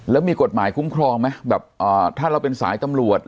แล้วมีกฎหมายคุ้มครองไหมแบบถ้าเราเป็นสายตำรวจ